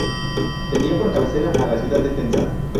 Tenía por cabecera a la ciudad de Tenza.